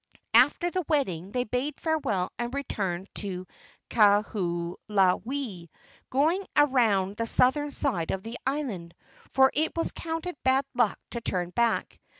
After the wedding they bade farewell and returned to Kahoolawe, going around the southern side of the island, for it was counted bad luck to turn back.